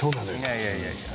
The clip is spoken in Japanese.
いやいやいや。